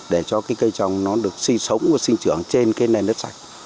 để cho cái cây trồng nó được sinh sống và sinh trưởng trên cái nền đất sạch